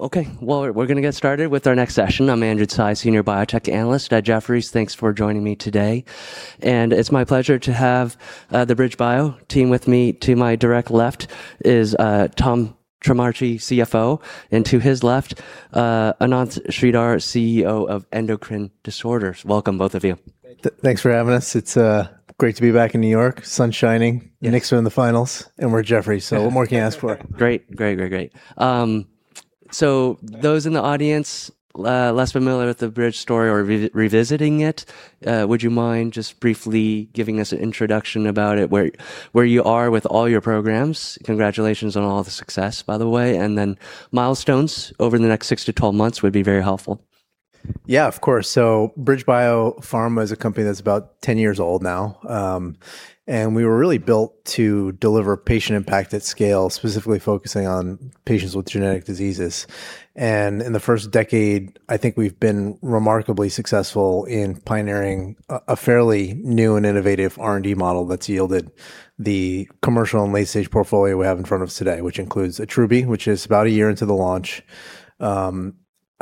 Okay. Well, we're going to get started with our next session. I'm Andrew Tsai, Senior Biotech Analyst at Jefferies. Thanks for joining me today. It's my pleasure to have the BridgeBio team with me. To my direct left is Tom Trimarchi, CFO, and to his left, Ananth Sridhar, CEO of Endocrine Disorders. Welcome, both of you. Thanks for having us. It's great to be back in New York, sun's shining. Yes Knicks are in the finals, and we're at Jefferies. What more can you ask for? Great. Those in the audience less familiar with the BridgeBio story or revisiting it, would you mind just briefly giving us an introduction about it, where you are with all your programs? Congratulations on all the success, by the way, milestones over the next 6-12 months would be very helpful. Yeah, of course. BridgeBio Pharma is a company that's about 10 years old now. We were really built to deliver patient impact at scale, specifically focusing on patients with genetic diseases. In the first decade, I think we've been remarkably successful in pioneering a fairly new and innovative R&D model that's yielded the commercial and late-stage portfolio we have in front of us today, which includes Attruby, which is about a year into the launch,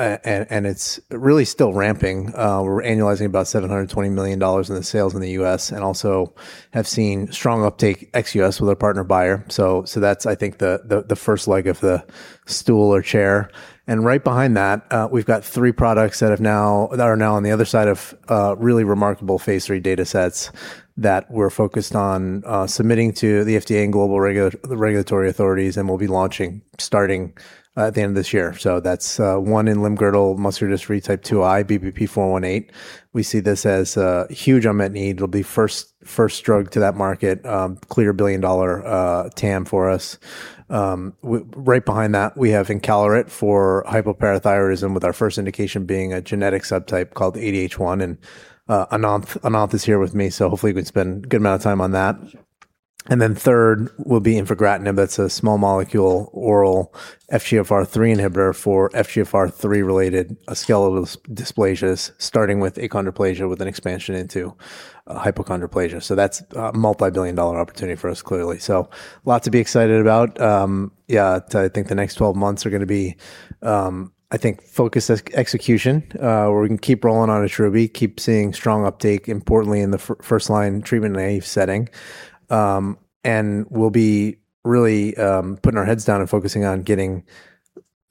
and it's really still ramping. We're annualizing about $720 million in the sales in the U.S., and also have seen strong uptake ex-U.S. with our partner Bayer. That's, I think, the first leg of the stool or chair. Right behind that, we've got three products that are now on the other side of really remarkable phase III data sets that we're focused on submitting to the FDA and global regulatory authorities and will be launching starting at the end of this year. That's one in limb-girdle muscular dystrophy Type 2I/R9 (BBP-418). We see this as a huge unmet need. It'll be first drug to that market, clear $1 billion TAM for us. Right behind that, we have encaleret for hypoparathyroidism, with our first indication being a genetic subtype called ADH1. Ananth is here with me, hopefully we can spend a good amount of time on that. Third will be infigratinib. That's a small molecule oral FGFR3 inhibitor for FGFR3-related skeletal dysplasias, starting with achondroplasia with an expansion into hypochondroplasia. That's a multibillion-dollar opportunity for us, clearly. Lot to be excited about. Yeah, I think the next 12 months are going to be focused on execution, where we can keep rolling on Attruby, keep seeing strong uptake, importantly in the first line treatment-naive setting. We'll be really putting our heads down and focusing on getting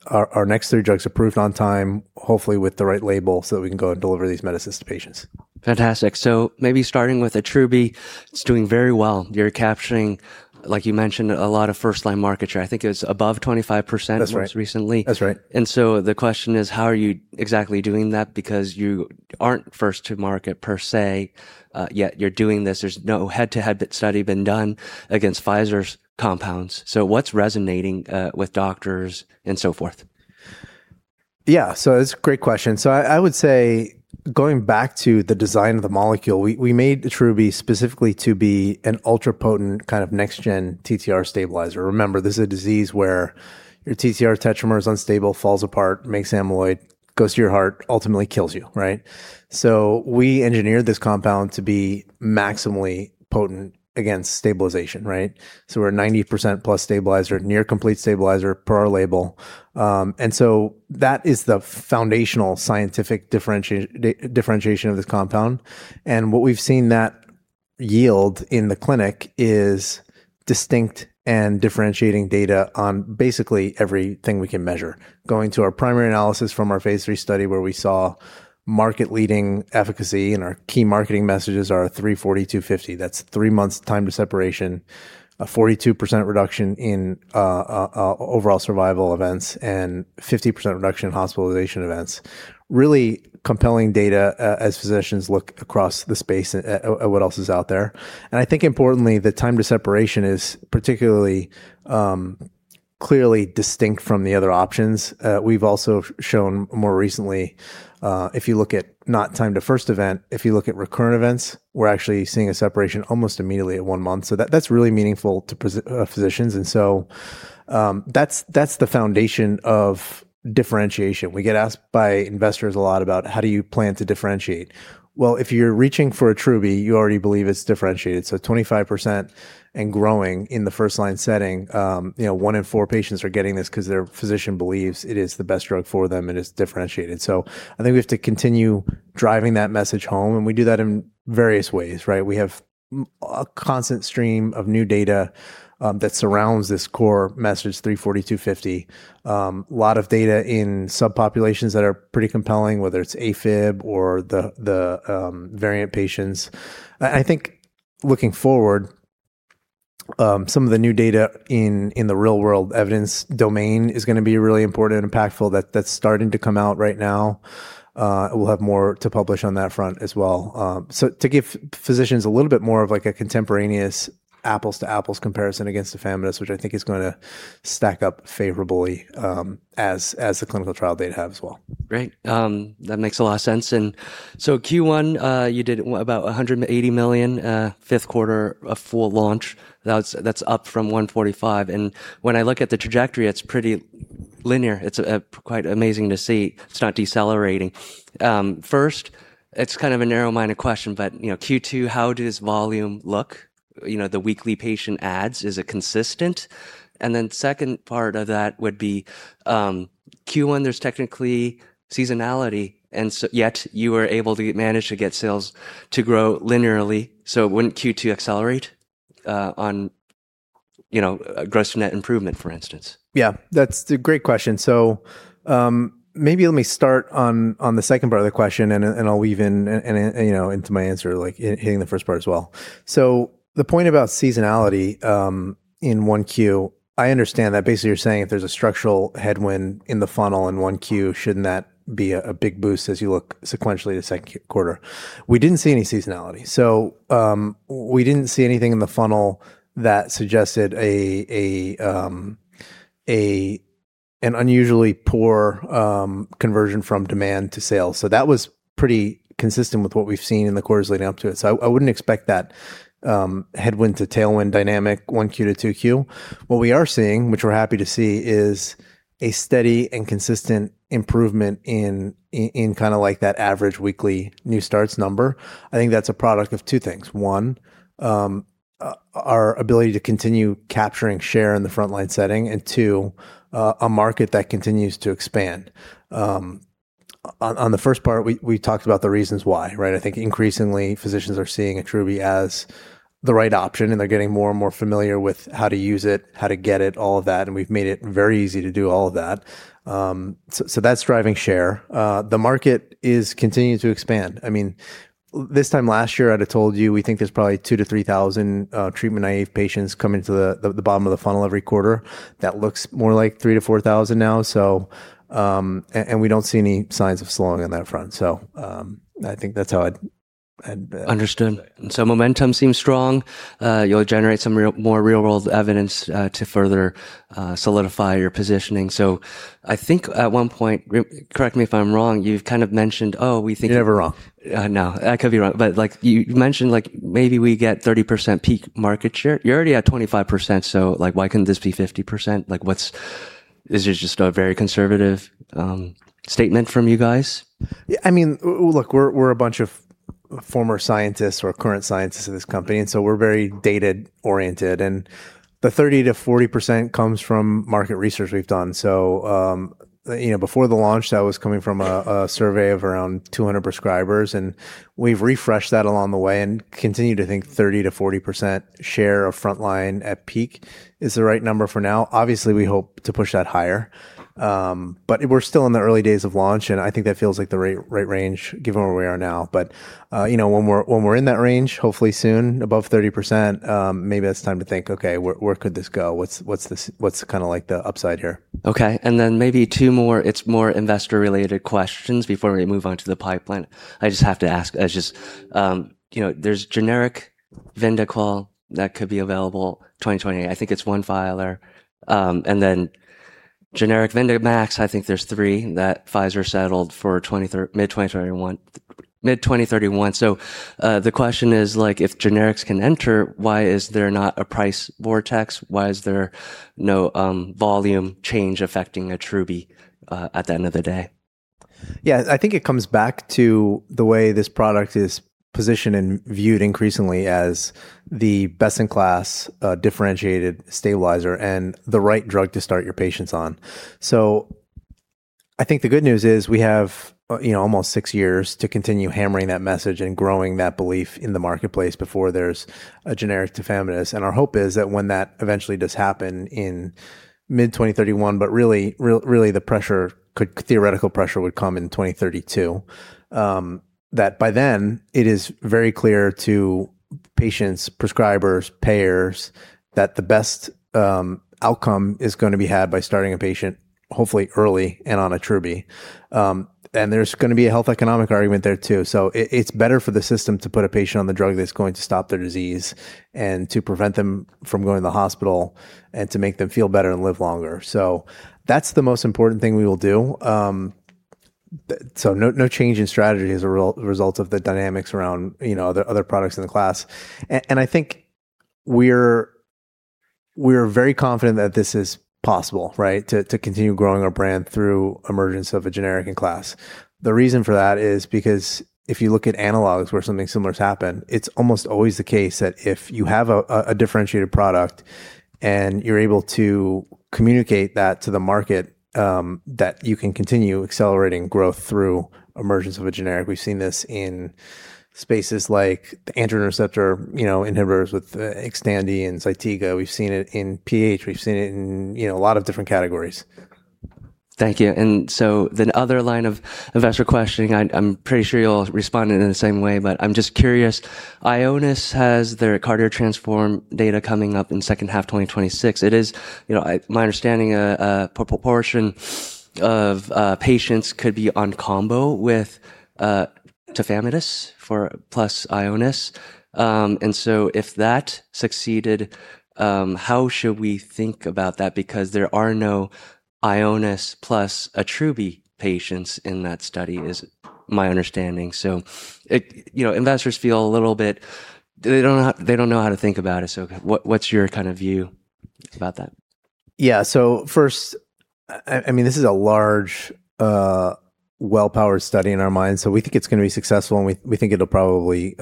our next three drugs approved on time, hopefully with the right label, so that we can go and deliver these medicines to patients. Fantastic. Maybe starting with Attruby, it's doing very well. You're capturing, like you mentioned, a lot of first-line market share. I think it was above 25%. That's right. most recently. That's right. The question is, how are you exactly doing that? Because you aren't first to market per se, yet you're doing this. There's no head-to-head study been done against Pfizer's compounds. What's resonating with doctors and so forth? Yeah. It's a great question. I would say going back to the design of the molecule, we made Attruby specifically to be an ultra-potent kind of next gen TTR stabilizer. Remember, this is a disease where your TTR tetramer is unstable, falls apart, makes amyloid, goes to your heart, ultimately kills you, right? We engineered this compound to be maximally potent against stabilization, right? We're a 90%-plus stabilizer, near complete stabilizer per our label. That is the foundational scientific differentiation of this compound. What we've seen that yield in the clinic is distinct and differentiating data on basically everything we can measure. Going to our primary analysis from our phase III study where we saw market leading efficacy, our key marketing messages are 3-42-50. That's three months time to separation, a 42% reduction in overall survival events, and 50% reduction in hospitalization events. Really compelling data as physicians look across the space at what else is out there. I think importantly, the time to separation is particularly clearly distinct from the other options. We've also shown more recently, if you look at not time to first event, if you look at recurrent events, we're actually seeing a separation almost immediately at one month. That's really meaningful to physicians, and so that's the foundation of differentiation. We get asked by investors a lot about how do you plan to differentiate? Well, if you're reaching for Attruby, you already believe it's differentiated. 25% and growing in the first line setting, one in four patients are getting this because their physician believes it is the best drug for them and it's differentiated. I think we have to continue driving that message home, and we do that in various ways, right? We have a constant stream of new data that surrounds this core message 3-42-50. Lot of data in subpopulations that are pretty compelling, whether it's AFib or the variant patients. I think looking forward, some of the new data in the real world evidence domain is going to be really important and impactful. That's starting to come out right now. We'll have more to publish on that front as well. To give physicians a little bit more of a contemporaneous apples to apples comparison against tafamidis, which I think is going to stack up favorably as the clinical trial data have as well. Great. That makes a lot of sense. Q1, you did about $180 million, fifth quarter, a full launch. That's up from $145 million. When I look at the trajectory, it's linear. It's quite amazing to see it's not decelerating. First, it's kind of a narrow-minded question, but Q2, how does volume look? The weekly patient adds, is it consistent? Second part of that would be, Q1, there's technically seasonality, and yet you were able to manage to get sales to grow linearly. Wouldn't Q2 accelerate on gross net improvement, for instance? Yeah, that's a great question. Maybe let me start on the second part of the question, and I'll weave into my answer, hitting the first part as well. The point about seasonality in Q1, I understand that basically you're saying if there's a structural headwind in the funnel in Q1, shouldn't that be a big boost as you look sequentially to Q2? We didn't see any seasonality. We didn't see anything in the funnel that suggested an unusually poor conversion from demand to sales. That was pretty consistent with what we've seen in the quarters leading up to it. I wouldn't expect that headwind to tailwind dynamic Q1 to Q2. What we are seeing, which we're happy to see, is a steady and consistent improvement in that average weekly new starts number. I think that's a product of two things. One, our ability to continue capturing share in the frontline setting, two, a market that continues to expand. On the first part, we talked about the reasons why, right? I think increasingly physicians are seeing Attruby as the right option, they're getting more and more familiar with how to use it, how to get it, all of that, we've made it very easy to do all of that. That's driving share. The market is continuing to expand. This time last year, I'd have told you we think there's probably 2,000 to 3,000 treatment-naive patients coming to the bottom of the funnel every quarter. That looks more like 3,000 to 4,000 now, we don't see any signs of slowing on that front. I think that's how I'd put it. Understood. Momentum seems strong. You'll generate some more real-world evidence to further solidify your positioning. I think at one point, correct me if I'm wrong, you've kind of mentioned. "Wall Street's never wrong.". I could be wrong, but you mentioned maybe we get 30% peak market share. You're already at 25%, why couldn't this be 50%? Is this just a very conservative statement from you guys? Look, we're a bunch of former scientists or current scientists at this company, we're very data-oriented. The 30%-40% comes from market research we've done. Before the launch, that was coming from a survey of around 200 prescribers, and we've refreshed that along the way and continue to think 30%-40% share of frontline at peak is the right number for now. Obviously, we hope to push that higher, but we're still in the early days of launch, and I think that feels like the right range given where we are now. When we're in that range, hopefully soon, above 30%, maybe that's time to think, "Okay, where could this go? What's the upside here? Okay. Maybe two more, it's more investor-related questions before we move on to the pipeline. I just have to ask, there's generic Vyndaqel that could be available 2028. I think it's one filer. Generic Vyndamax, I think there's three that Pfizer settled for mid-2031. The question is, if generics can enter, why is there not a price vortex? Why is there no volume change affecting Attruby at the end of the day? Yeah. I think it comes back to the way this product is positioned and viewed increasingly as the best-in-class differentiated stabilizer and the right drug to start your patients on. I think the good news is we have almost six years to continue hammering that message and growing that belief in the marketplace before there's a generic tafamidis. Our hope is that when that eventually does happen in mid-2031, but really the theoretical pressure would come in 2032, that by then, it is very clear to patients, prescribers, payers that the best outcome is going to be had by starting a patient, hopefully early and on Attruby. There's going to be a health economic argument there too. It's better for the system to put a patient on the drug that's going to stop their disease and to prevent them from going to the hospital and to make them feel better and live longer. That's the most important thing we will do. No change in strategy as a result of the dynamics around the other products in the class. I think we're very confident that this is possible, right? To continue growing our brand through emergence of a generic in class. The reason for that is because if you look at analogs where something similar has happened, it's almost always the case that if you have a differentiated product and you're able to communicate that to the market, that you can continue accelerating growth through emergence of a generic. We've seen this in spaces like the androgen receptor inhibitors with Xtandi and Zytiga. We've seen it in PAH. We've seen it in a lot of different categories. Thank you. The other line of investor questioning, I'm pretty sure you'll respond in the same way, but I'm just curious. Ionis has their CARDIO-TTRansform data coming up in second half 2026. It is my understanding a proportion of patients could be on combo with tafamidis plus Ionis. If that succeeded, how should we think about that? Because there are no Ionis plus Attruby patients in that study. my understanding. Investors feel a little bit, they don't know how to think about it. What's your view about that? Yeah. First, this is a large, well-powered study in our minds. We think it's going to be successful, and we think it'll probably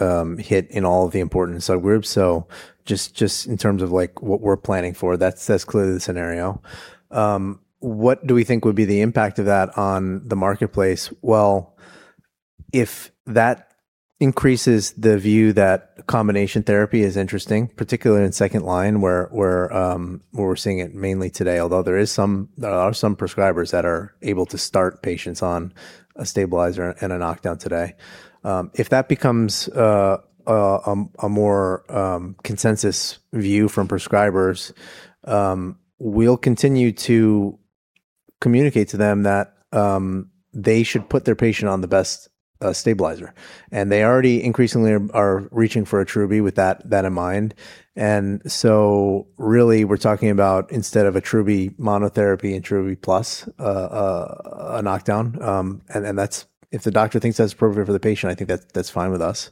hit in all of the important subgroups. Just in terms of what we're planning for, that's clearly the scenario. What do we think would be the impact of that on the marketplace? Well, if that increases the view that combination therapy is interesting, particularly in second line, where we're seeing it mainly today, although there are some prescribers that are able to start patients on a stabilizer and a knockdown today. If that becomes a more consensus view from prescribers, we'll continue to communicate to them that they should put their patient on the best stabilizer. They already increasingly are reaching for Attruby with that in mind. Really, we're talking about instead of Attruby monotherapy and Attruby plus a knockdown, and if the doctor thinks that's appropriate for the patient, I think that's fine with us.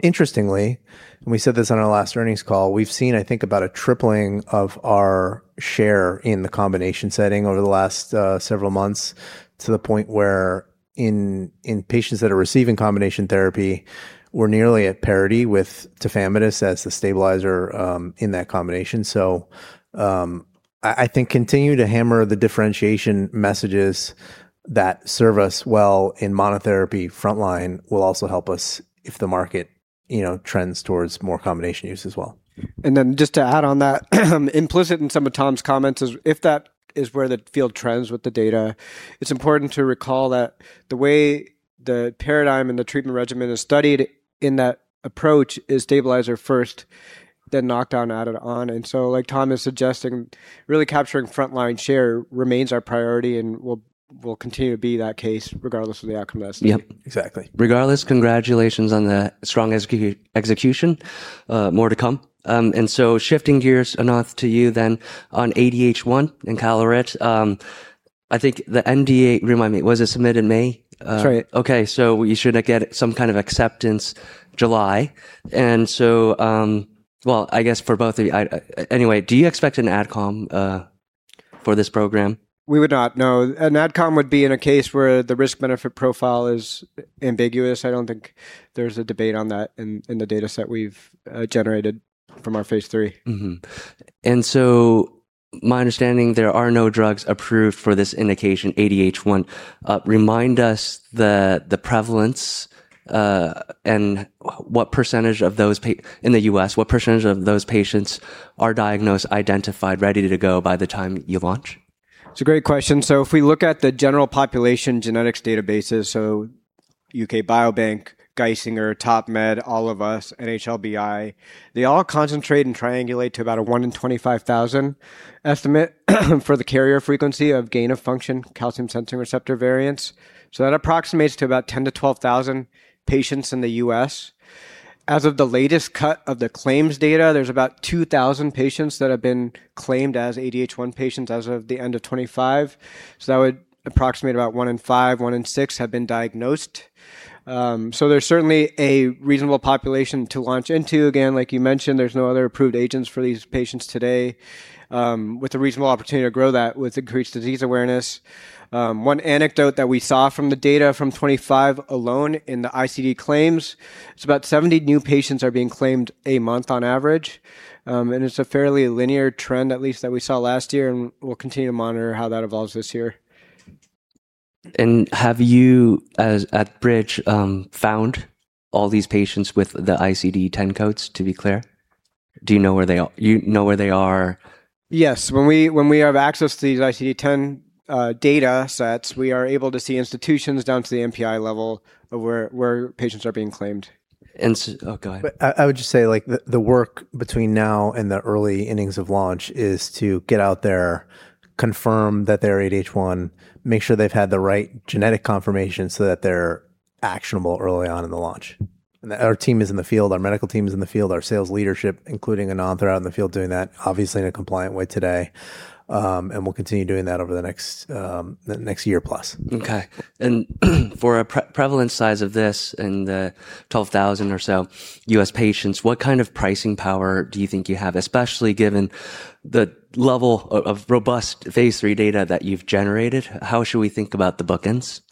Interestingly, we said this on our last earnings call, we've seen, I think, about a tripling of our share in the combination setting over the last several months, to the point where in patients that are receiving combination therapy, we're nearly at parity with tafamidis as the stabilizer in that combination. I think continue to hammer the differentiation messages that serve us well in monotherapy frontline will also help us if the market trends towards more combination use as well. Just to add on that, implicit in some of Tom's comments is if that is where the field trends with the data, it's important to recall that the way the paradigm and the treatment regimen is studied in that approach is stabilizer first, then knockdown added on. Like Tom is suggesting, really capturing frontline share remains our priority and will continue to be that case regardless of the outcome of the study. Yep. Exactly. Regardless, congratulations on the strong execution. More to come. Shifting gears, Ananth, to you then on ADH1 and encaleret. I think the NDA, remind me, was it submitted in May? That's right. Okay. You should get some kind of acceptance July. Well, I guess for both of you, anyway, do you expect an AdCom for this program? We would not, no. An AdCom would be in a case where the risk-benefit profile is ambiguous. I don't think there's a debate on that in the data set we've generated from our phase III. My understanding, there are no drugs approved for this indication, ADH1. Remind us the prevalence, and in the U.S., what % of those patients are diagnosed, identified, ready to go by the time you launch? It's a great question. If we look at the general population genetics databases, UK Biobank, Geisinger, TOPMed, All of Us, NHLBI, they all concentrate and triangulate to about a 1 in 25,000 estimate for the carrier frequency of gain-of-function calcium-sensing receptor variants. That approximates to about 10,000 to 12,000 patients in the U.S. As of the latest cut of the claims data, there's about 2,000 patients that have been claimed as ADH1 patients as of the end of 2025. That would approximate about one in five, one in six have been diagnosed. There's certainly a reasonable population to launch into. Again, like you mentioned, there's no other approved agents for these patients today, with a reasonable opportunity to grow that with increased disease awareness. One anecdote that we saw from the data from 2025 alone in the ICD claims, is about 70 new patients are being claimed a month on average. It's a fairly linear trend, at least, that we saw last year, and we'll continue to monitor how that evolves this year. Have you, at Bridge, found all these patients with the ICD-10 codes, to be clear? Do you know where they are? Yes. When we have access to these ICD-10 data sets, we are able to see institutions down to the NPI level of where patients are being claimed. Oh, go ahead. I would just say, the work between now and the early innings of launch is to get out there, confirm that they're ADH1, make sure they've had the right genetic confirmation so that they're actionable early on in the launch. Our team is in the field, our medical team is in the field, our sales leadership, including Ananth, are out in the field doing that, obviously in a compliant way today. We'll continue doing that over the next year plus. Okay. For a prevalence size of this in the 12,000 or so U.S. patients, what kind of pricing power do you think you have? Especially given the level of robust phase III data that you've generated. How should we think about the bookends?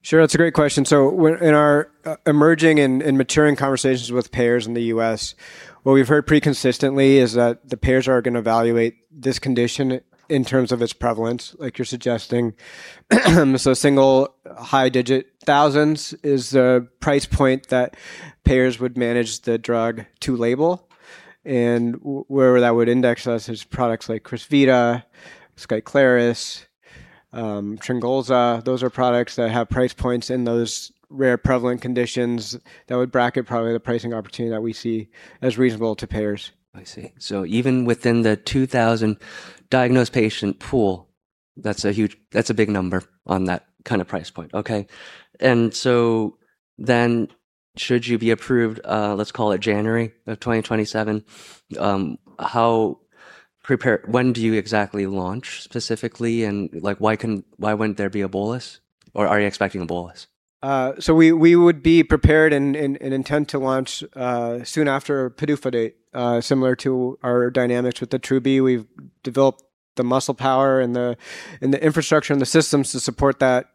Sure. That's a great question. In our emerging and maturing conversations with payers in the U.S., what we've heard pretty consistently is that the payers are going to evaluate this condition in terms of its prevalence, like you're suggesting. Single high digit thousands is the price point that payers would manage the drug to label. Wherever that would index us is products like Crysvita, Skyclarys, Truseltiq. Those are products that have price points in those rare prevalent conditions that would bracket probably the pricing opportunity that we see as reasonable to payers. I see. Even within the 2,000 diagnosed patient pool, that's a big number on that kind of price point. Okay. Should you be approved, let's call it January of 2027, when do you exactly launch specifically? Why wouldn't there be a bolus, or are you expecting a bolus? We would be prepared and intend to launch soon after PDUFA date, similar to our dynamics with the Attruby. We've developed the muscle power and the infrastructure and the systems to support that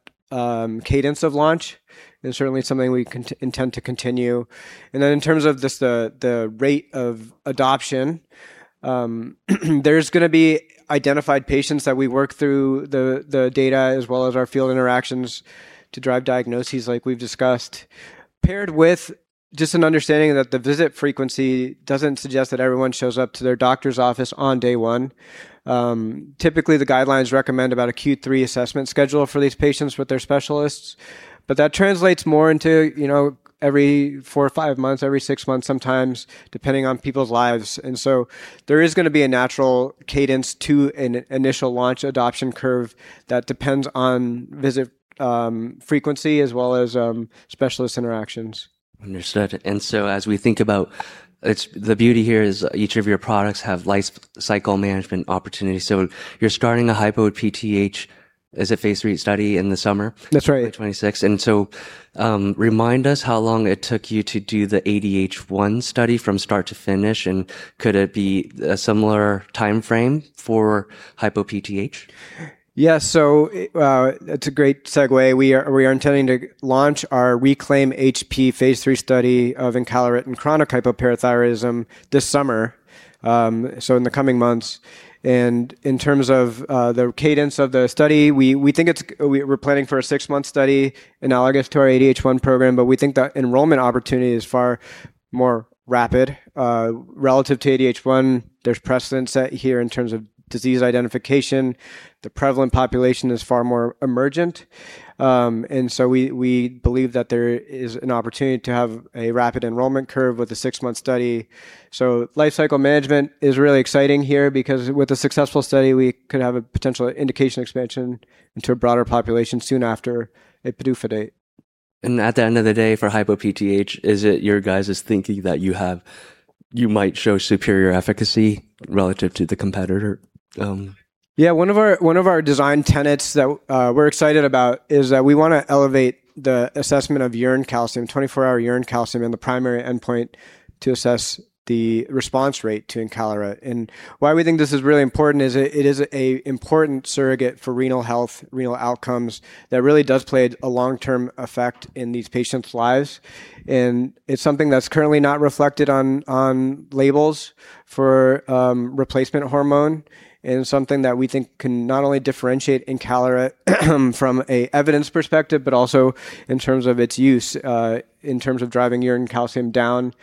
cadence of launch, and certainly something we intend to continue. In terms of just the rate of adoption, there's going to be identified patients that we work through the data as well as our field interactions to drive diagnoses like we've discussed. Paired with just an understanding that the visit frequency doesn't suggest that everyone shows up to their doctor's office on day one. Typically, the guidelines recommend about a Q3 assessment schedule for these patients with their specialists. That translates more into every four or five months, every six months, sometimes, depending on people's lives. There is going to be a natural cadence to an initial launch adoption curve that depends on visit frequency as well as specialist interactions. Understood. As we think about, the beauty here is each of your products have life cycle management opportunities. You're starting a hypo-PTH as a phase III study in the summer- That's right. of 2026. Remind us how long it took you to do the ADH1 study from start to finish, and could it be a similar timeframe for hypo-PTH? Yeah. That's a great segue. We are intending to launch our RECLAIM-HP phase III study of encaleret and chronic hypoparathyroidism this summer, so in the coming months. In terms of the cadence of the study, we're planning for a six-month study analogous to our ADH1 program, but we think the enrollment opportunity is far more rapid. Relative to ADH1, there's precedent set here in terms of disease identification. The prevalent population is far more emergent. We believe that there is an opportunity to have a rapid enrollment curve with a six-month study. Life cycle management is really exciting here because with a successful study, we could have a potential indication expansion into a broader population soon after a PDUFA date. At the end of the day, for hypo-PTH, is it your guys' thinking that you might show superior efficacy relative to the competitor? Yeah. One of our design tenets that we're excited about is that we want to elevate the assessment of urine calcium, 24-hour urine calcium, and the primary endpoint to assess the response rate to encaleret. Why we think this is really important is it is an important surrogate for renal health, renal outcomes that really does play a long-term effect in these patients' lives. It's something that's currently not reflected on labels for replacement hormone and something that we think can not only differentiate encaleret from an evidence perspective, but also in terms of its use, in terms of driving urine calcium down.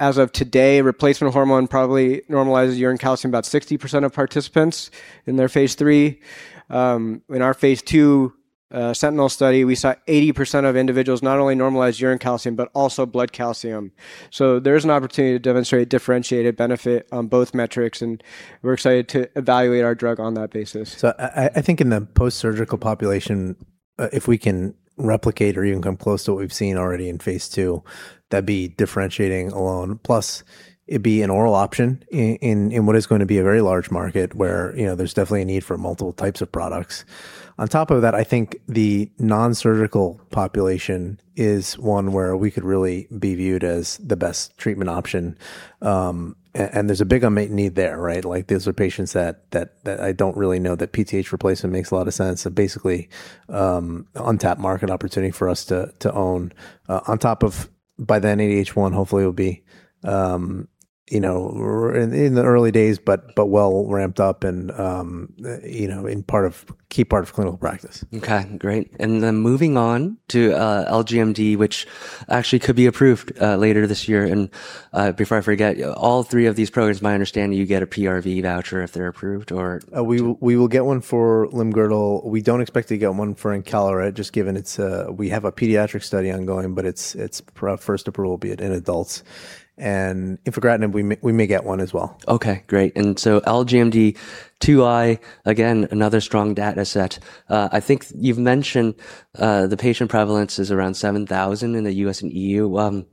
As of today, replacement hormone probably normalizes urine calcium about 60% of participants in their phase III. In our phase II sentinel study, we saw 80% of individuals not only normalize urine calcium but also blood calcium. There is an opportunity to demonstrate differentiated benefit on both metrics, and we're excited to evaluate our drug on that basis. I think in the post-surgical population, if we can replicate or even come close to what we've seen already in phase II, that'd be differentiating alone. It'd be an oral option in what is going to be a very large market where there's definitely a need for multiple types of products. On top of that, I think the non-surgical population is one where we could really be viewed as the best treatment option. There's a big unmet need there, right? These are patients that I don't really know that PTH replacement makes a lot of sense, so basically, untapped market opportunity for us to own. On top of, by then, ADH1 hopefully will be in the early days, but well ramped up and in key part of clinical practice. Okay, great. Moving on to LGMD, which actually could be approved later this year. Before I forget, all three of these programs, my understanding, you get a PRV voucher if they're approved, or? We will get one for limb-girdle. We don't expect to get one for encaleret, just given we have a pediatric study ongoing, but its first approval will be in adults. For infigratinib, we may get one as well. Okay, great. LGMD2I, again, another strong data set. I think you've mentioned the patient prevalence is around 7,000 in the U.S. and E.U. What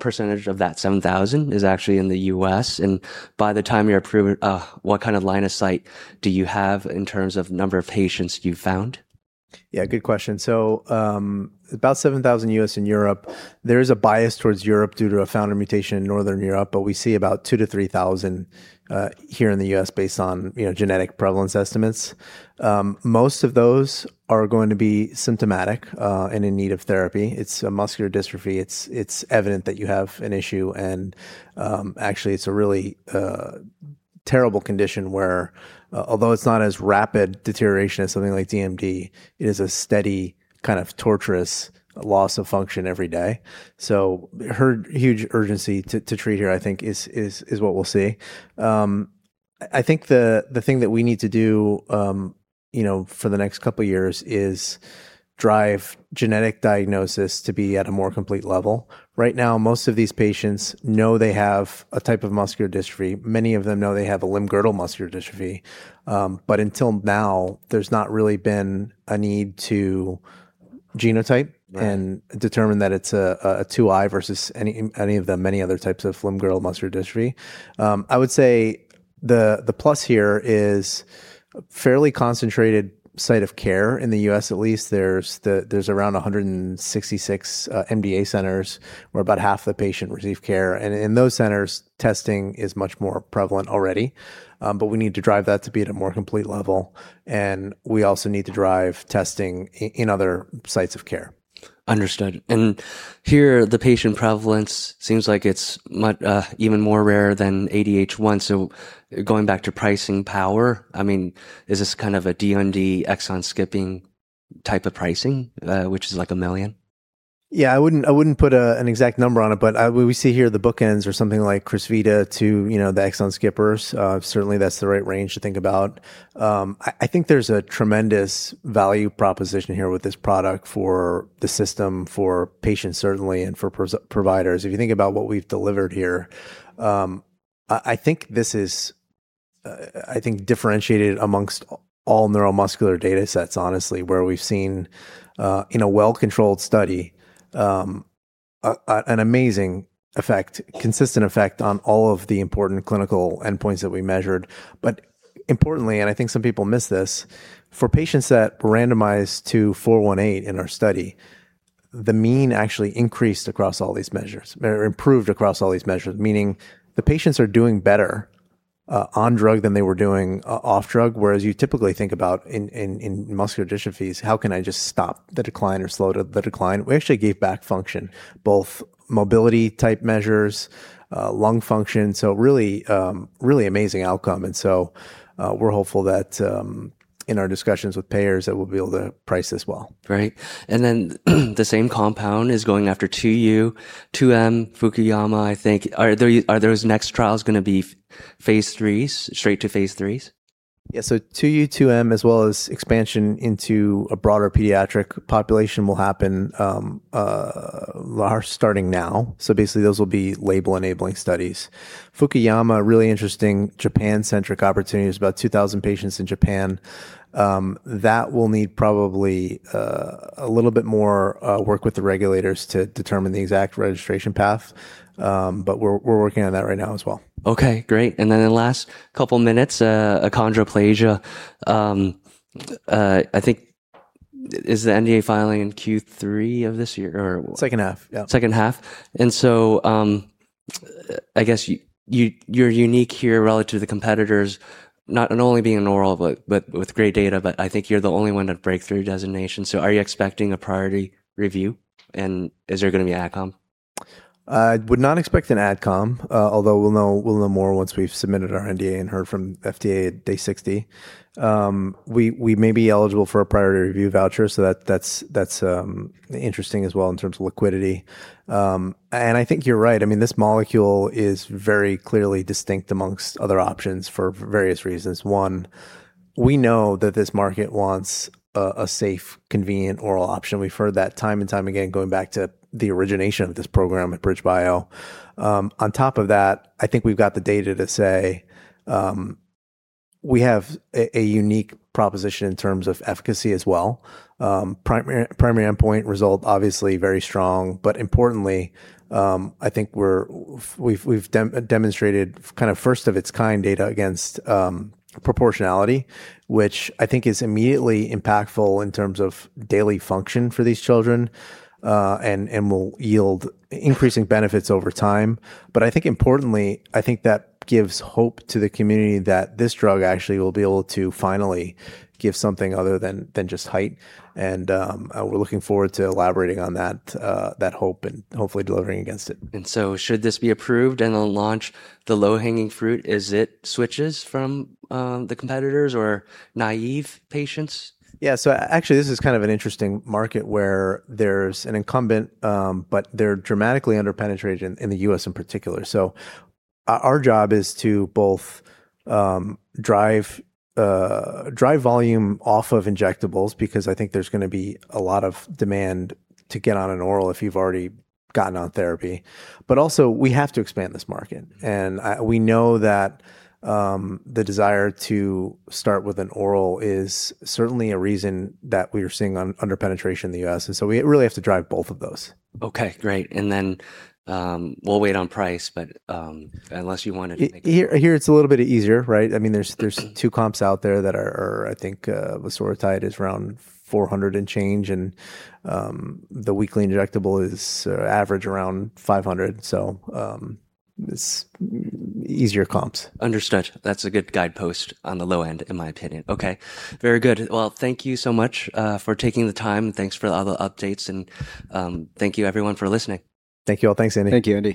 % of that 7,000 is actually in the U.S., and by the time you're approved, what kind of line of sight do you have in terms of number of patients you've found? Yeah, good question. About 7,000 U.S. and Europe. There is a bias towards Europe due to a founder mutation in Northern Europe, but we see about 2,000-3,000 here in the U.S. based on genetic prevalence estimates. Most of those are going to be symptomatic and in need of therapy. It's a muscular dystrophy. It's evident that you have an issue, and actually, it's a really terrible condition where although it's not as rapid deterioration as something like DMD, it is a steady kind of torturous loss of function every day. Huge urgency to treat here, I think, is what we'll see. I think the thing that we need to do for the next couple of years is drive genetic diagnosis to be at a more complete level. Right now, most of these patients know they have a type of muscular dystrophy. Many of them know they have a limb-girdle muscular dystrophy. Until now, there's not really been a need to. Genotype- Determine that it's a 2I versus any of the many other types of limb-girdle muscular dystrophy. I would say the plus here is fairly concentrated site of care in the U.S. At least there's around 166 MDA centers, where about half the patient receive care. In those centers, testing is much more prevalent already. We need to drive that to be at a more complete level, and we also need to drive testing in other sites of care. Understood. Here, the patient prevalence seems like it's even more rare than ADH1. Going back to pricing power, is this kind of a DMD exon skipping type of pricing, which is like $1 million? I wouldn't put an exact number on it, we see here the bookends are something like Crysvita to the exon skippers. Certainly, that's the right range to think about. I think there's a tremendous value proposition here with this product for the system, for patients certainly, and for providers. If you think about what we've delivered here, I think differentiated amongst all neuromuscular data sets, honestly, where we've seen in a well-controlled study, an amazing effect, consistent effect on all of the important clinical endpoints that we measured. Importantly, and I think some people miss this, for patients that randomized to BBP-418 in our study, the mean actually increased across all these measures, or improved across all these measures, meaning the patients are doing better on drug than they were doing off drug, whereas you typically think about in muscular dystrophies, how can I just stop the decline or slow the decline? We actually gave back function, both mobility type measures, lung function. Really amazing outcome. We're hopeful that in our discussions with payers that we'll be able to price this well. Right. The same compound is going after 2U, 2M, Fukuyama, I think. Are those next trials going to be phase IIIs, straight to phase IIIs? 2U, 2M, as well as expansion into a broader pediatric population will happen starting now. Basically, those will be label-enabling studies. Fukuyama, really interesting Japan-centric opportunity. There's about 2,000 patients in Japan. That will need probably a little bit more work with the regulators to determine the exact registration path. We're working on that right now as well. Okay, great. The last couple minutes, achondroplasia. I think, is the NDA filing in Q3 of this year or- Second half, yeah. Second half. I guess you're unique here relative to the competitors, not only being oral, but with great data, but I think you're the only one at breakthrough designation. Are you expecting a priority review, and is there going to be ADCOM? I would not expect an AdCom, although we'll know more once we've submitted our NDA and heard from FDA at day 60. We may be eligible for a priority review voucher, that's interesting as well in terms of liquidity. I think you're right. This molecule is very clearly distinct amongst other options for various reasons. One, we know that this market wants a safe, convenient oral option. We've heard that time and time again, going back to the origination of this program at BridgeBio. On top of that, I think we've got the data to say we have a unique proposition in terms of efficacy as well. Primary endpoint result, obviously very strong, importantly, I think we've demonstrated first of its kind data against proportionality, which I think is immediately impactful in terms of daily function for these children, and will yield increasing benefits over time. I think importantly, I think that gives hope to the community that this drug actually will be able to finally give something other than just height. We're looking forward to elaborating on that hope and hopefully delivering against it. Should this be approved and on launch, the low-hanging fruit is it switches from the competitors or naive patients? Yeah. Actually, this is kind of an interesting market where there's an incumbent, but they're dramatically under-penetrated in the U.S. in particular. Our job is to both drive volume off of injectables, because I think there's going to be a lot of demand to get on an oral if you've already gotten on therapy. Also, we have to expand this market, and we know that the desire to start with an oral is certainly a reason that we are seeing under-penetration in the U.S. We really have to drive both of those. Okay, great. We'll wait on price, but unless you wanted to make. Here, it's a little bit easier, right? There's two comps out there that are, I think Voxzogo is around $400 and change, and the weekly injectable is average around $500. It's easier comps. Understood. That's a good guidepost on the low end, in my opinion. Okay. Very good. Well, thank you so much for taking the time. Thanks for all the updates, and thank you everyone for listening. Thanks, Andrew. Thank you, Andrew.